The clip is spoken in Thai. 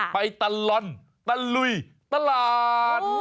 ไปตลอดตะลุยตลาด